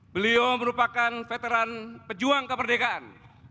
beliau merupakan veteran pejuang kemerdekaan